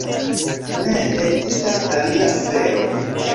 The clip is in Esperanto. Ne: ekzistas alia afero.